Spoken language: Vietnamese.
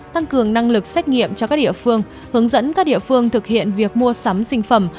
tăng cường năng lực xét nghiệm cho các địa phương hướng dẫn các địa phương thực hiện việc mua sắm sinh phẩm